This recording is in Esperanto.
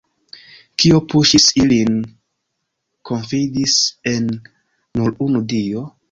Kio puŝis ilin konfidis en nur unu Dio?